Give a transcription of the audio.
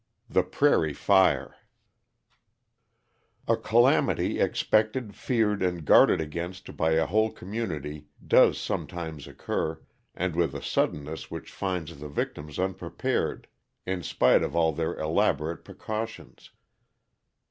THE PRAIRIE FIRE A calamity expected, feared, and guarded against by a whole community does sometimes occur, and with a suddenness which finds the victims unprepared in spite of all their elaborate precautions.